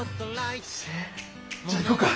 じゃあ行こうか。